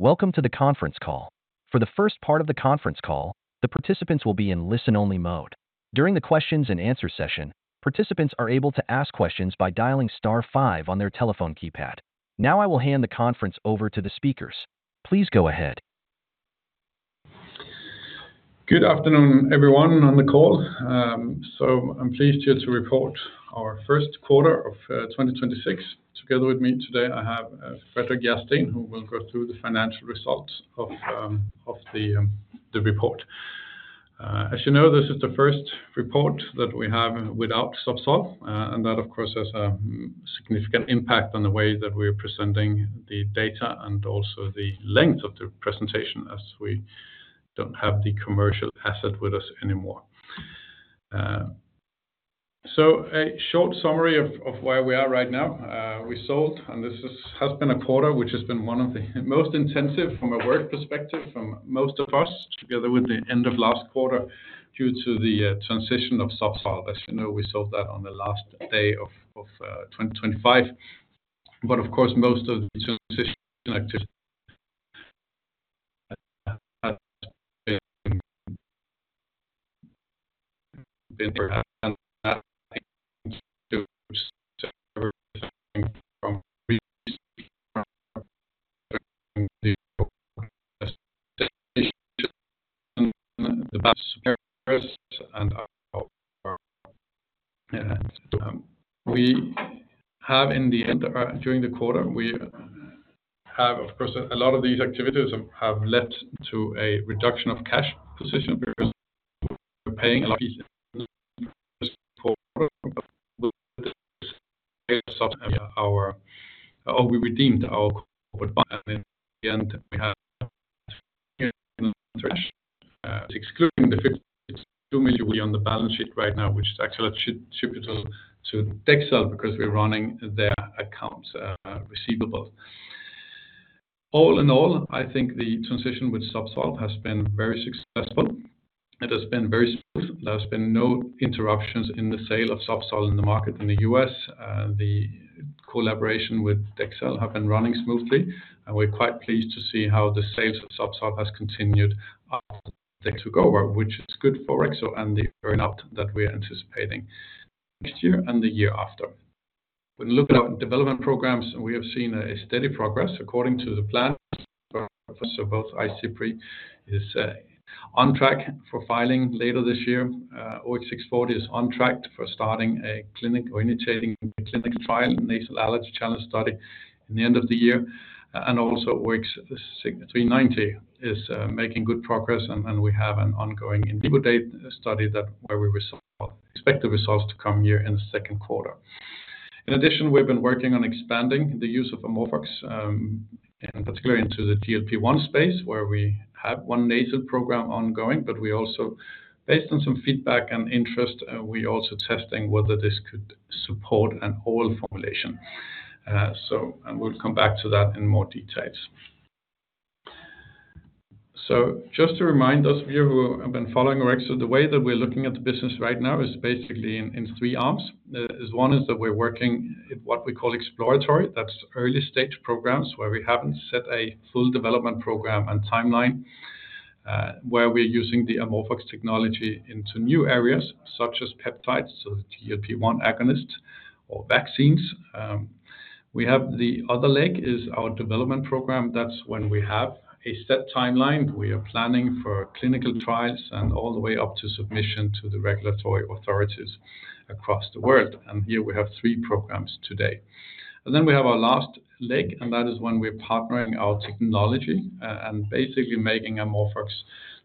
Welcome to the conference call. For the first part of the conference call, the participants will be in listen-only mode. During the questions and answer session, participants are able to ask questions by dialing star five on their telephone keypad. Now, I will hand the conference over to the speakers. Please go ahead. Good afternoon, everyone on the call. I'm pleased here to report our first quarter of 2026. Together with me today, I have Fredrik Järrsten, who will go through the financial results of the report. As you know, this is the first report that we have without Zubsolv. That, of course, has a significant impact on the way that we are presenting the data and also the length of the presentation, as we don't have the commercial asset with us anymore. A short summary of where we are right now. We sold, and this has been a quarter which has been one of the most intensive from a work perspective from most of us, together with the end of last quarter due to the transition of Zubsolv. As you know, we sold that on the last day of 2025. Of course, most of the transition. [inaudible] We have in the end, during the quarter, we have, of course, a lot of these activities have led to a reduction of cash position because we're paying [inaudible] we redeemed our [inaudible] excluding 52 million we on the balance sheet right now, which is actually attributable to Dexcel because we're running their accounts receivable. All in all, I think the transition with Zubsolv has been very successful. It has been very smooth, there has been no interruptions in the sale of Zubsolv in the market in the U.S. The collaboration with Dexcel have been running smoothly, and we're quite pleased to see how the sales of Zubsolv has continued after they took over, which is good for Dexcel and the earn-out that we are anticipating next year and the year after. When looking at our development programs, we have seen a steady progress according to the plan. Both Izipry is on track for filing later this year. OX640 is on track for starting a clinical or initiating a clinical trial, nasal allergen challenge study in the end of the year. OX390 is making good progress, and we have an ongoing in vivo study that where we expect the results to come here in the second quarter. In addition, we've been working on expanding the use of AmorphOX, in particular into the GLP-1 space, where we have one nasal program ongoing. We also, based on some feedback and interest, we're also testing whether this could support an oral formulation. We'll come back to that in more details. Just to remind those of you who have been following Orexo, the way that we're looking at the business right now is basically in three arms. Is one is that we're working in what we call exploratory. That's early-stage programs where we haven't set a full development program and timeline, where we're using the AmorphOX technology into new areas, such as peptides, so the GLP-1 agonist or vaccines. We have the other leg is our development program. That's when we have a set timeline. We are planning for clinical trials and all the way up to submission to the regulatory authorities across the world. Here we have three programs today. We have our last leg, and that is when we're partnering our technology and basically making AmorphOX,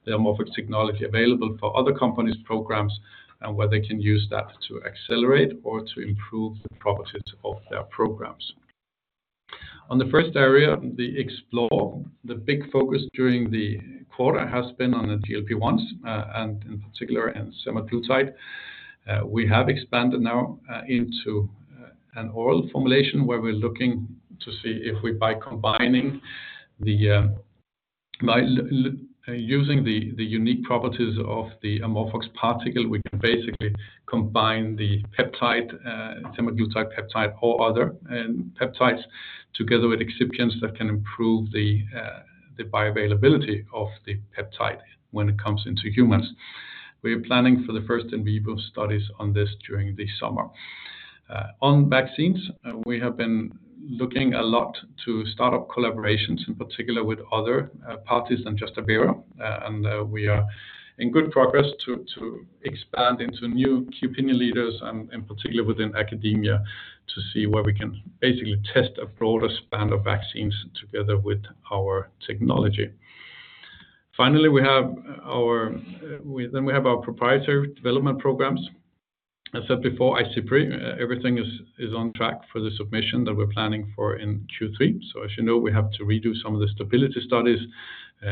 the AmorphOX technology available for other companies' programs and where they can use that to accelerate or to improve the properties of their programs. On the first area, the explore, the big focus during the quarter has been on the GLP-1s and in particular, in semaglutide. We have expanded now into an oral formulation where we're looking to see if we, by combining, by using the unique properties of the AmorphOX particle, we can basically combine the peptide, semaglutide peptide or other peptides together with excipients that can improve the bioavailability of the peptide when it comes into humans. We are planning for the first in vivo studies on this during the summer. On vaccines, we have been looking a lot to start up collaborations, in particular with other parties than just Abera. We are in good progress to expand into new opinion leaders and in particular within academia, to see where we can basically test a broader span of vaccines together with our technology. Finally, we have our proprietary development programs. I said before, IC3, everything is on track for the submission that we're planning for in Q3. As you know, we have to redo some of the stability studies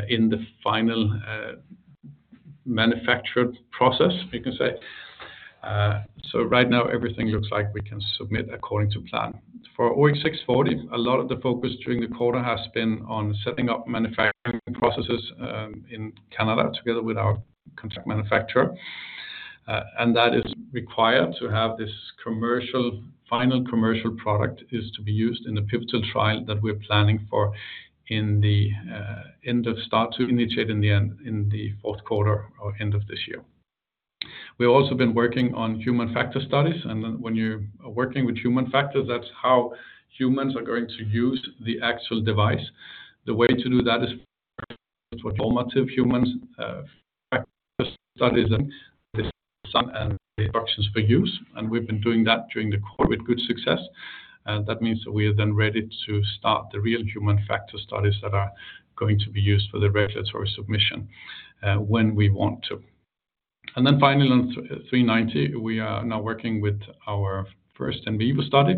in the final manufacturing process, you can say. Right now everything looks like we can submit according to plan. For OX640, a lot of the focus during the quarter has been on setting up manufacturing processes in Canada together with our contract manufacturer. That is required to have this, final commercial product to be used in the pivotal trial that we're planning for to initiate in the 4th quarter or end of this year. We've also been working on human factors studies. When you're working with human factors, that's how humans are going to use the actual device. The way to do that is formative human factors studies and instructions for use. We've been doing that during the COVID good success. That means that we are then ready to start the real human factors studies that are going to be used for the regulatory submission when we want to. Finally, on OX390, we are now working with our first in vivo study,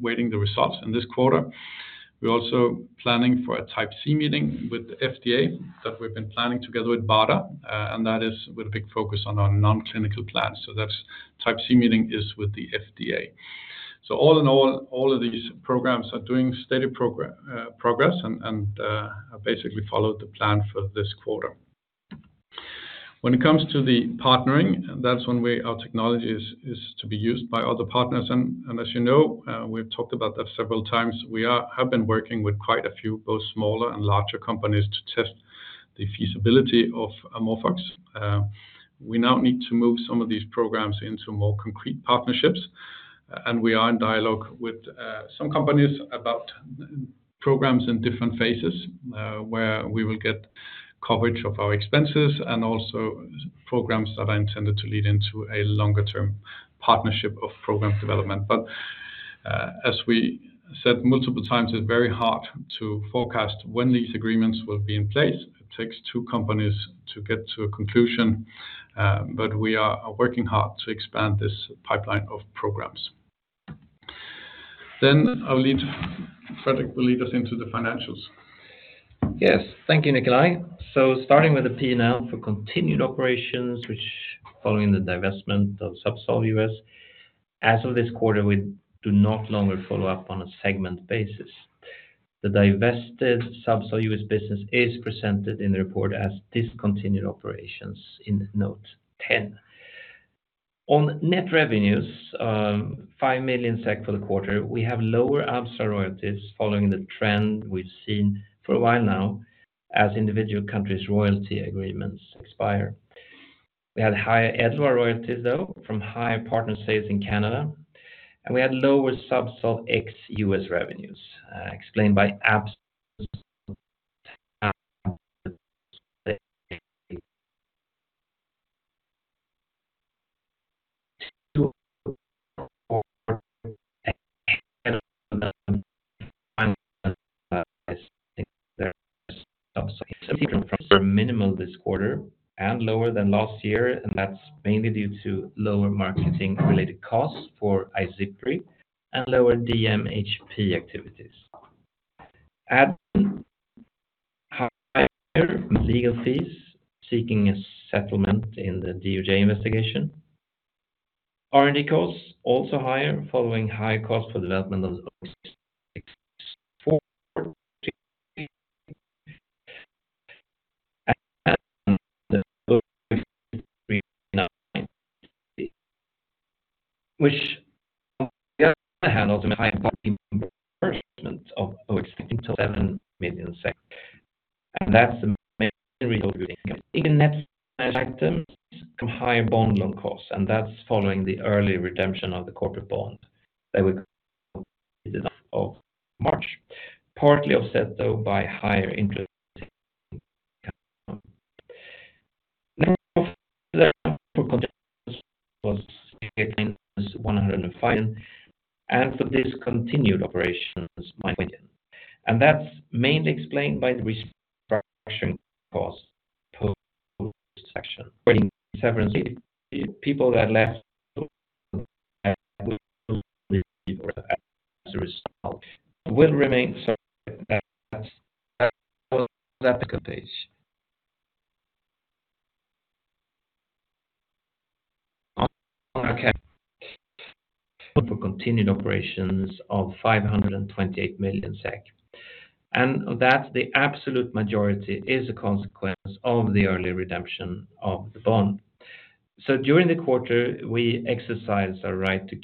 waiting the results in this quarter. We're also planning for a Type C meeting with the FDA that we've been planning together with BARDA. That is with a big focus on our non-clinical plans. That Type C meeting is with the FDA. All in all of these programs are doing steady progress and basically follow the plan for this quarter. When it comes to the partnering, that's one way our technology is to be used by other partners. As you know, we've talked about that several times. We have been working with quite a few, both smaller and larger companies to test the feasibility of AmorphOX. We now need to move some of these programs into more concrete partnerships. We are in dialogue with some companies about programs in different phases where we will get coverage of our expenses and also programs that are intended to lead into a longer term partnership of program development. As we said multiple times, it's very hard to forecast when these agreements will be in place. It takes two companies to get to a conclusion. We are working hard to expand this pipeline of programs. Fredrik will lead us into the financials. Yes. Thank you, Nikolaj. Starting with the P&L for continued operations, which following the divestment of Zubsolv U.S., as of this quarter, we do not longer follow up on a segment basis. The divested Zubsolv U.S. business is presented in the report as discontinued operations in note 10. On net revenues, 5 million SEK for the quarter, we have lower Abstral royalties following the trend we've seen for a while now as individual countries' royalty agreements expire. We had higher Edluar royalties though from higher partner sales in Canada. We had lower Zubsolv ex-U.S. revenues explained by absence. [inaudible] For minimal this quarter and lower than last year, and that's mainly due to lower marketing related costs for Izipry and lower DMHP activities. [inaudible] higher from legal fees seeking a settlement in the DOJ investigation. R&D costs also higher following high cost for development. [inaudible] Which on the other hand also. [inaudible] That's the main reason we're doing net items from higher bond loan costs, and that's following the early redemption of the corporate bond that [inaudible] March, partly offset though by higher interest. [inaudible] and for discontinued operations, SEK 9 million. That's mainly explained by the restructuring costs post section 27C. People that left [inaudible] will remain. Sorry, that's a different page. For continued operations of 528 million SEK. That the absolute majority is a consequence of the early redemption of the bond. During the quarter, we exercised our right to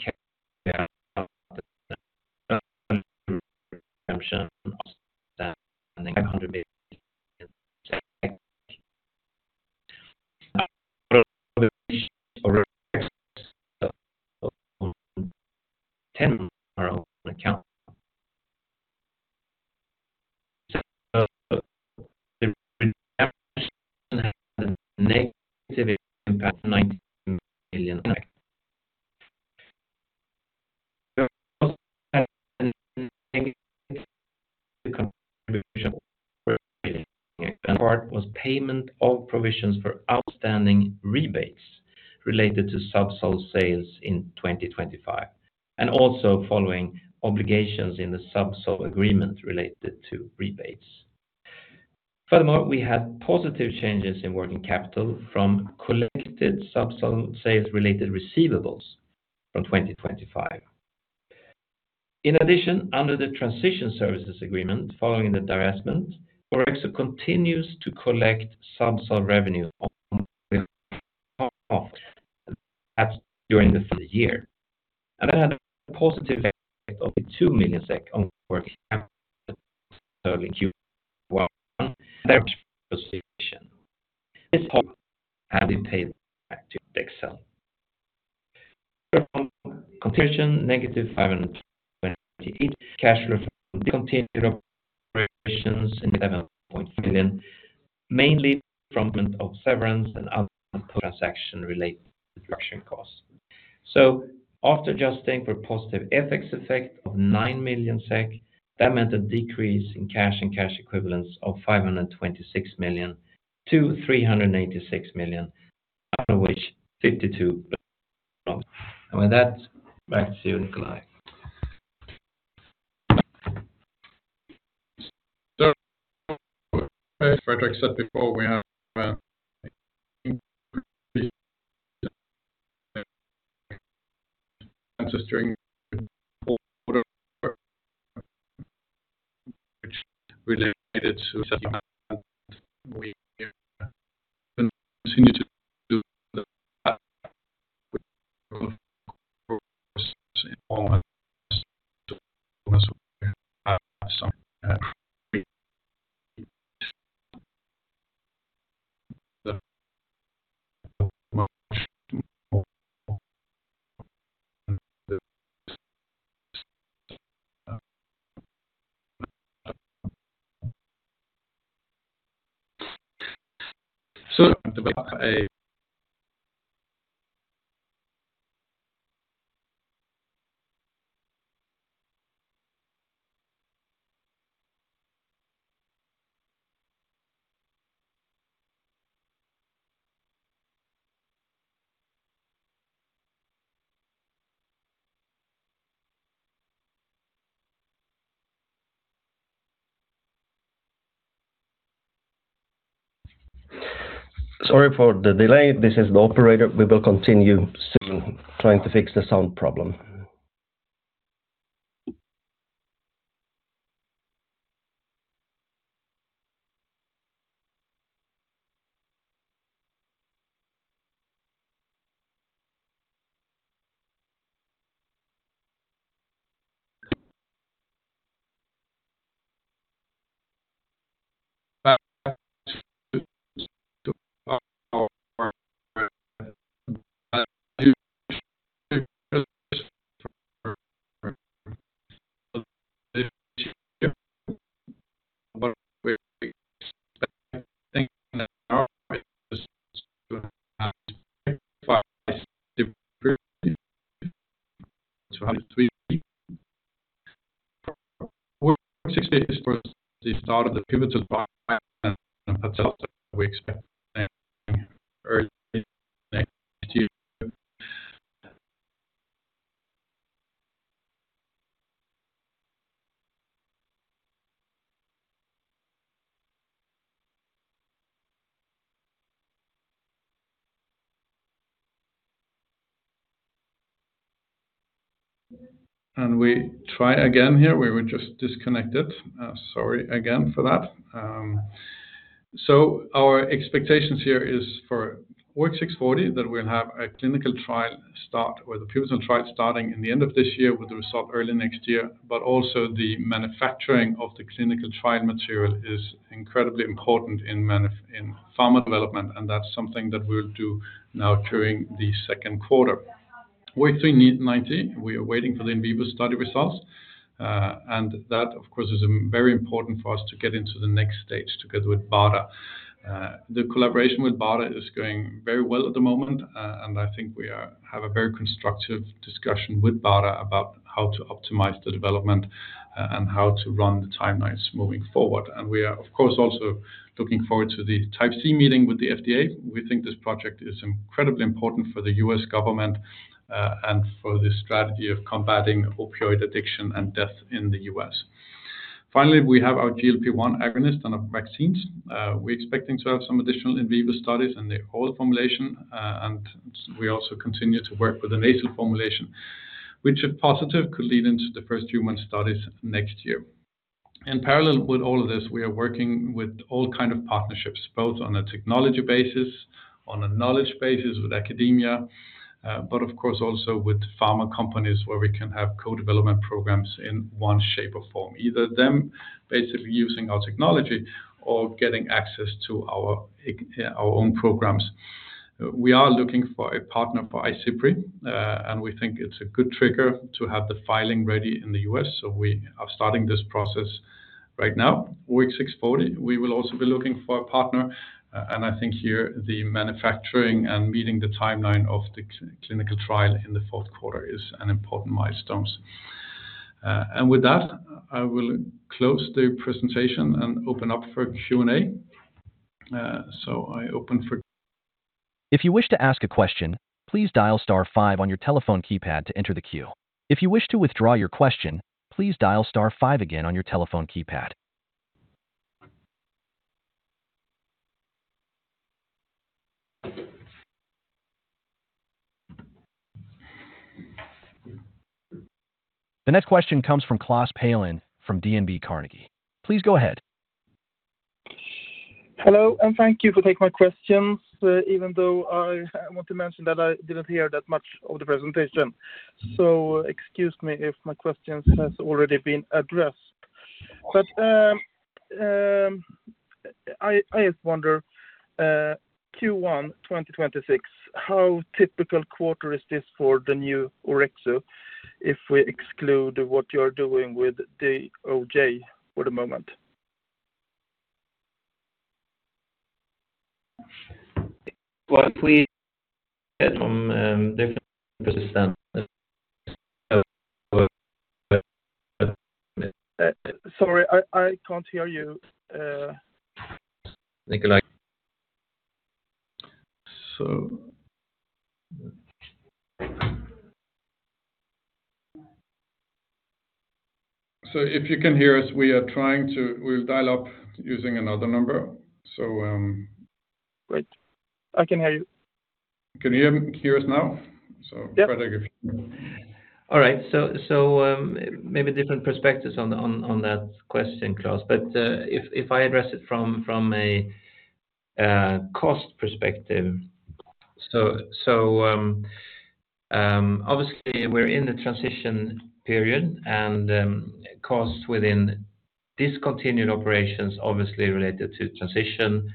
carry out the redemption of standing [inaudible] was payment of provisions for outstanding rebates related to Zubsolv sales in 2025, and also following obligations in the Zubsolv agreement related to rebates. Furthermore, we had positive changes in working capital from collected Zubsolv sales related receivables from 2025. In addition, under the transition services agreement following the divestment, Orexo continues to collect Zubsolv revenue on [inaudible] Sorry for the delay. This is the operator. We will continue soon trying to fix the sound problem. We try again here. We were just disconnected. Sorry again for that. Our expectations here is for OX640 that we'll have a clinical trial start or the pivotal trial starting in the end of this year with the result early next year. Also the manufacturing of the clinical trial material is incredibly important in pharma development, and that's something that we'll do now during the second quarter. OX390, we are waiting for the in vivo study results, and that of course, is very important for us to get into the next stage together with Abera. The collaboration with Abera is going very well at the moment, and I think we have a very constructive discussion with BARDA about how to optimize the development, and how to run the timelines moving forward. We are of course, also looking forward to the Type C meeting with the FDA, we think this project is incredibly important for the U.S. government, and for the strategy of combating opioid addiction and death in the U.S. Finally, we have our GLP-1 agonist and our vaccines. We're expecting to have some additional in vivo studies in the oral formulation. We also continue to work with the nasal formulation, which if positive, could lead into the first human studies next year. In parallel with all of this, we are working with all kind of partnerships, both on a technology basis, on a knowledge basis with academia, but of course also with pharma companies where we can have co-development programs in one shape or form. Either them basically using our technology or getting access to our own programs. We are looking for a partner for Izipry, and we think it's a good trigger to have the filing ready in the U.S., we are starting this process right now. OX640, we will also be looking for a partner, and I think here the manufacturing and meeting the timeline of the clinical trial in the fourth quarter is an important milestones. With that, I will close the presentation and open up for Q&A. If you wish to ask a question, please dial star five on your telephone keypad to enter the queue. If you wish to withdraw your question, please dial star five again on your telephone keypad The next question comes from Klas Palin from DNB Carnegie. Please go ahead. Hello, and thank you for take my questions, even though I want to mention that I didn't hear that much of the presentation, so excuse me if my questions has already been addressed. I just wonder, Q1 2026, how typical quarter is this for the new Orexo if we exclude what you're doing with DOJ for the moment? [inaudible] Sorry, I can't hear you. Nikolaj. If you can hear us, we'll dial up using another number. Great. I can hear you. Can you hear us now? Yep. Maybe different perspectives on that question, Klas Palin. If I address it from a cost perspective. Obviously we are in the transition period, and costs within discontinued operations obviously related to transition,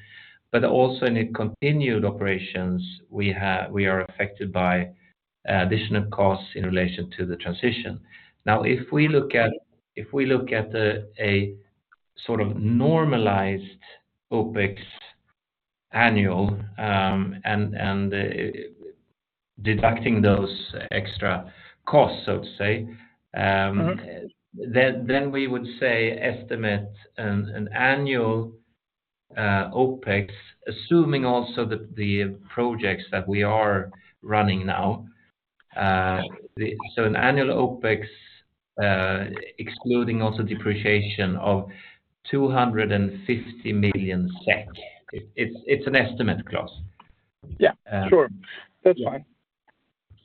but also in the continued operations we are affected by additional costs in relation to the transition. If we look at a sort of normalized OpEx annual, and deducting those extra costs, so to say, then we would estimate an annual OpEx, assuming also that the projects that we are running now. An annual OpEx, excluding also depreciation of 250 million SEK. It is an estimate, Klas. Yeah, sure. That's fine.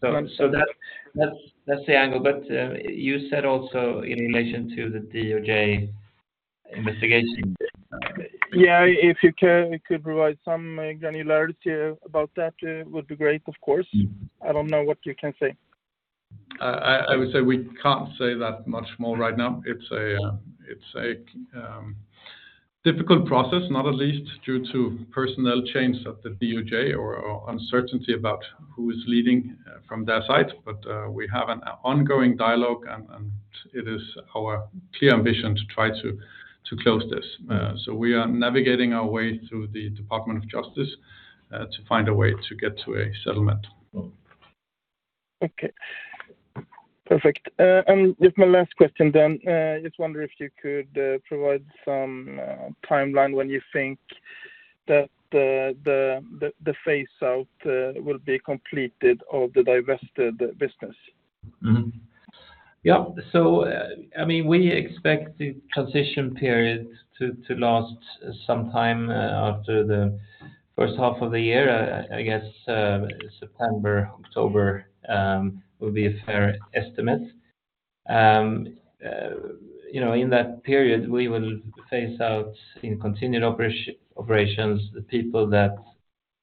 That's the angle. You said also in relation to the DOJ investigation. Yeah, if you can, could provide some granularity about that would be great, of course. I don't know what you can say. I would say we can't say that much more right now. It's a difficult process, not at least due to personnel change at the DOJ or uncertainty about who is leading from their side. We have an ongoing dialogue and it is our clear ambition to try to close this. We are navigating our way through the Department of Justice to find a way to get to a settlement. Okay. Perfect. Just my last question then, just wonder if you could provide some timeline when you think that the phase out will be completed of the divested business. Yeah. I mean, we expect the transition period to last some time after the first half of the year. I guess September, October will be a fair estimate. You know, in that period, we will phase out in continued operations the people that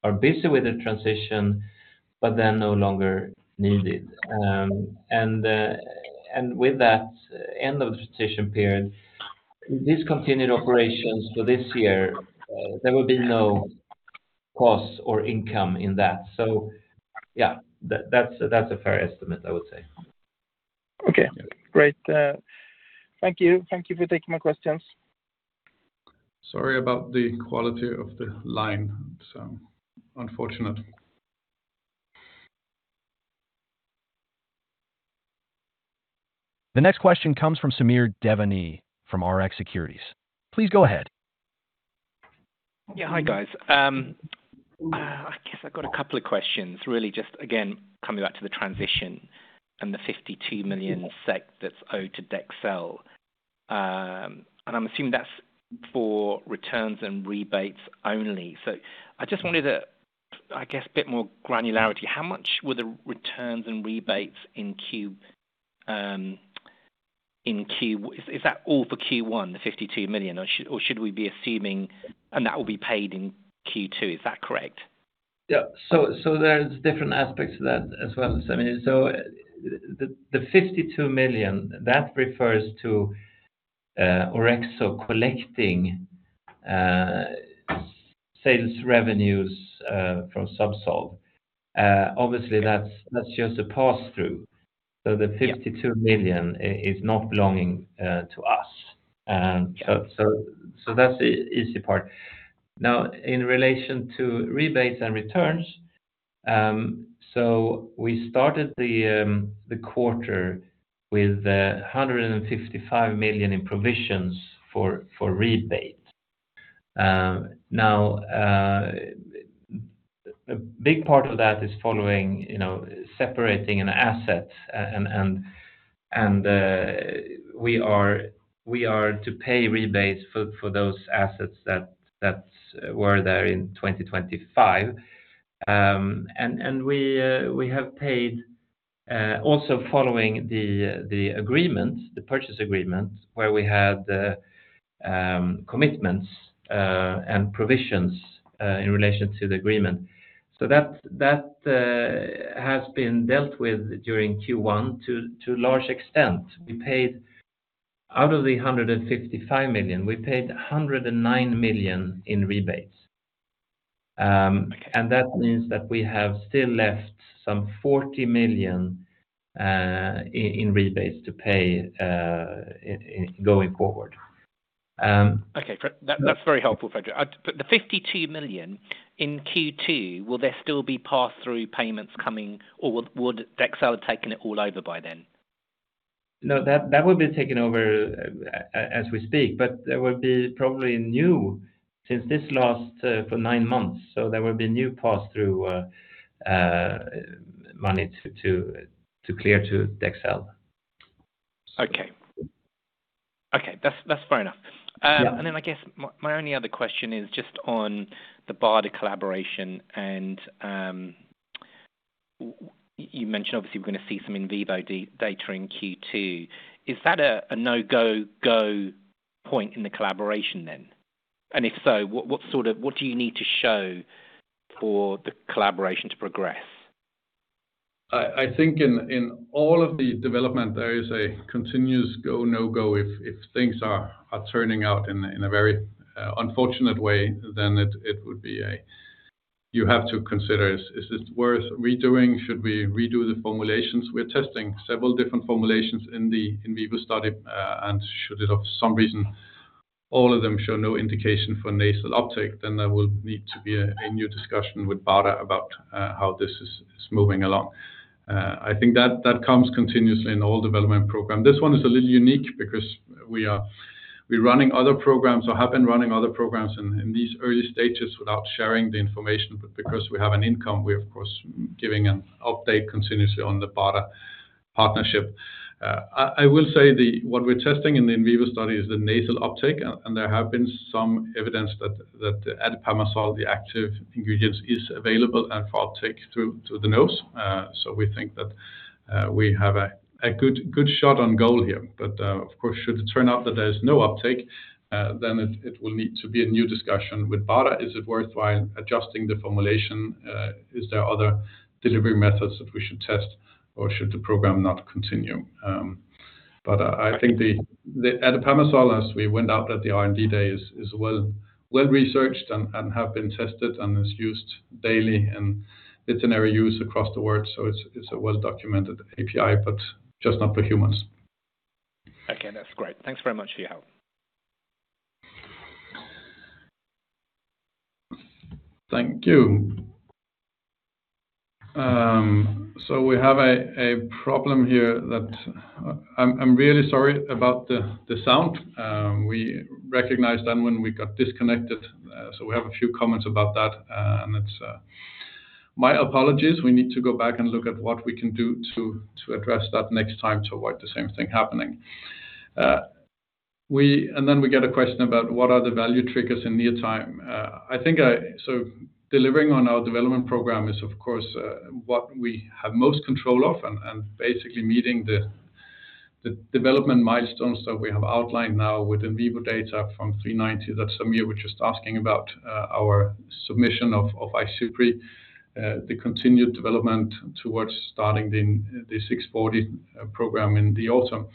are busy with the transition but they're no longer needed. With that end of the transition period, discontinued operations for this year, there will be no costs or income in that. Yeah, that's a fair estimate, I would say. Okay, great. Thank you. Thank you for taking my questions. Sorry about the quality of the line. Unfortunate. The next question comes from Samir Devani from Rx Securities. Please go ahead. Hi, guys. I guess I've got a couple of questions really just again, coming back to the transition and the 52 million SEK that's owed to Dexcel. I'm assuming that's for returns and rebates only. I just wanted a, I guess, bit more granularity. How much were the returns and rebates all for Q1, the 52 million? Or should we be assuming and that will be paid in Q2? Is that correct? Yeah. There's different aspects to that as well, Samir. The 52 million, that refers to Orexo collecting sales revenues from Zubsolv. Obviously, that's just a pass-through. The 52 million is not belonging to us. That's the easy part. In relation to rebates and returns, we started the quarter with 155 million in provisions for rebates. A big part of that is following, you know, separating an asset and we are to pay rebates for those assets that were there in 2025. We have paid also following the agreement, the purchase agreement, where we had the commitments and provisions in relation to the agreement. That has been dealt with during Q1 to a large extent. We paid out of the 155 million, we paid 109 million in rebates. That means that we have still left some 40 million in rebates to pay in going forward. Okay. That's very helpful, Fredrik. The 52 million in Q2, will there still be pass-through payments coming or would Dexcel have taken it all over by then? No, that would be taken over as we speak. There will be probably new since this last for nine months. There will be new pass-through money to clear to Dexcel. Okay, that's fair enough. Yeah. Then I guess my only other question is just on the BARDA collaboration, and you mentioned obviously we're gonna see some in vivo data in Q2. Is that a no-go point in the collaboration then? If so, what sort of what do you need to show for the collaboration to progress? I think in all of the development, there is a continuous go, no-go. If things are turning out in a very unfortunate way, then it would be. You have to consider, is this worth redoing? Should we redo the formulations? We're testing several different formulations in the in vivo study. Should it of some reason all of them show no indication for nasal uptake, then there will need to be a new discussion with BARDA about how this is moving along. I think that comes continuously in all development program. This one is a little unique because we're running other programs or have been running other programs in these early stages without sharing the information, because we have an income, we're of course giving an update continuously on the BARDA partnership. I will say the, what we're testing in the in-vivo study is the nasal uptake, and there have been some evidence that the etoposide, the active ingredients, is available and for uptake through to the nose. We think that we have a good shot on goal here. Of course, should it turn out that there's no uptake, then it will need to be a new discussion with BARDA. Is it worthwhile adjusting the formulation? Is there other delivery methods that we should test, or should the program not continue? I think the etoposide, as we went out at the R&D days, is well-researched and have been tested and is used daily in veterinary use across the world. It's a well-documented API, but just not for humans. Okay, that's great. Thanks very much. Yeah. Thank you. We have a problem here that I'm really sorry about the sound. We recognized then when we got disconnected, we have a few comments about that, and my apologies. We need to go back and look at what we can do to address that next time to avoid the same thing happening. Then we get a question about what are the value triggers in near time. I think delivering on our development program is of course what we have most control of and basically meeting the development milestones that we have outlined now with in-vivo data from OX390. That Samir Devani was just asking about, our submission of Izipry, the continued development towards starting the OX640 program in the autumn.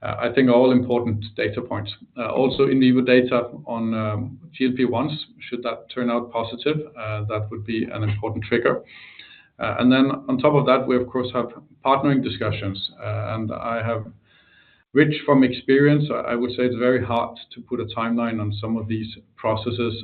I think all important data points. Also in-vivo data on GLP-1, should that turn out positive, that would be an important trigger. On top of that, we of course have partnering discussions. Which from experience, I would say it's very hard to put a timeline on some of these processes,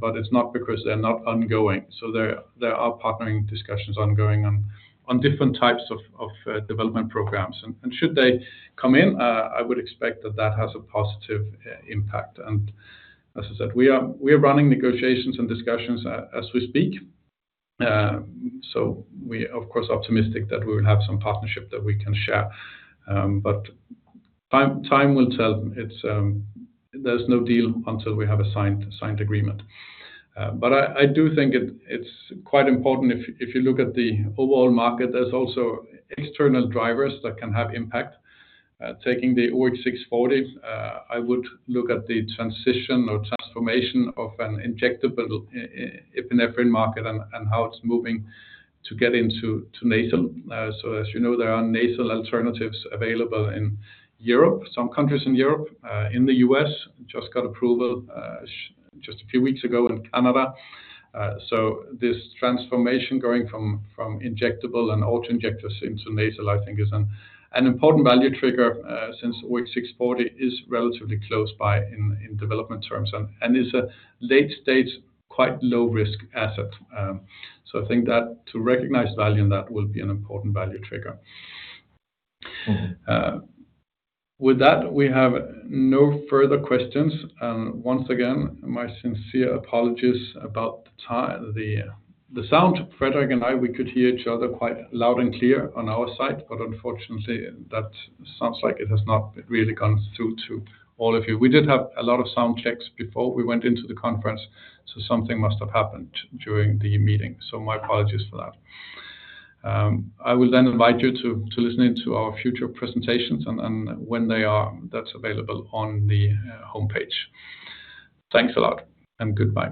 but it's not because they're not ongoing. There are partnering discussions ongoing on different types of development programs. Should they come in, I would expect that that has a positive impact. As I said, we are running negotiations and discussions as we speak. We of course optimistic that we will have some partnership that we can share, but time will tell. It's, there's no deal until we have a signed agreement. I do think it's quite important if you look at the overall market, there's also external drivers that can have impact. Taking the OX640, I would look at the transition or transformation of an injectable epinephrine market and how it's moving to get into nasal. As you know, there are nasal alternatives available in Europe, some countries in Europe, in the U.S. Just got approval just a few weeks ago in Canada. This transformation going from injectable and auto-injectors into nasal, I think is an important value trigger since OX640 is relatively close by in development terms and is a late-stage, quite low-risk asset. I think that to recognize value in that will be an important value trigger. With that, we have no further questions. Once again, my sincere apologies about the sound. Fredrik and I, we could hear each other quite loud and clear on our side, but unfortunately, that sounds like it has not really gone through to all of you. We did have a lot of sound checks before we went into the conference, something must have happened during the meeting. My apologies for that. I will then invite you to listen in to our future presentations and when they are, that's available on the homepage. Thanks a lot, goodbye.